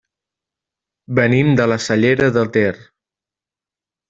Venim de la Cellera de Ter.